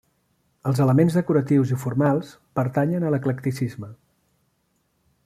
Els elements decoratius i formals pertanyen a l'eclecticisme.